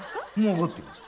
分かってる。